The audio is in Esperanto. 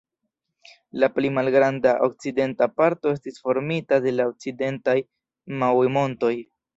La pli malgranda okcidenta parto estas formita de la Okcidentaj Maui-montoj.